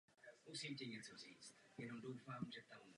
Náměty čerpal především z antiky.